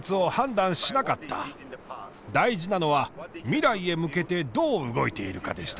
大事なのは未来へ向けてどう動いているかでした。